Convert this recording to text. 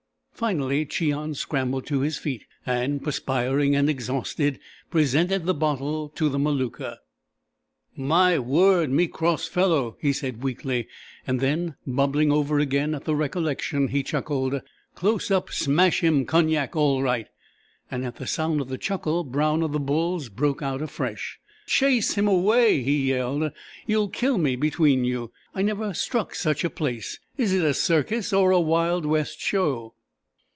Finally Cheon scrambled to his feet, and, perspiring and exhausted, presented the bottle to the Maluka. "My word, me cross fellow!" he said weakly, and then, bubbling over again at the recollection, he chuckled: "Close up smash him Cognac all right." And at the sound of the chuckle Brown of the Bulls broke out afresh: "Chase him away!" he yelled. "You'll kill me between you! I never struck such a place! Is it a circus or a Wild West Show?"